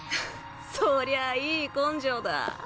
そりゃいい根性だ。